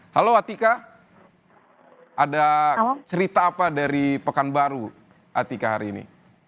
halo atika ada cerita apa dari pekanbaru atika hari ini